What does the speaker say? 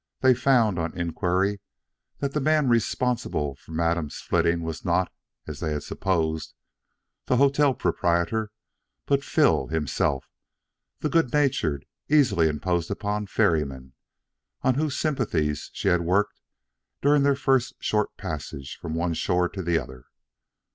They found, on inquiry, that the man responsible for Madame's flitting was not, as they had supposed, the hotel proprietor, but Phil himself, the good natured, easily imposed upon ferryman, on whose sympathies she had worked during their first short passage from one shore to the other.